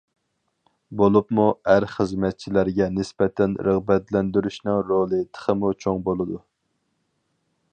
بولۇپمۇ ئەر خىزمەتچىلەرگە نىسبەتەن رىغبەتلەندۈرۈشنىڭ رولى تېخىمۇ چوڭ بولىدۇ.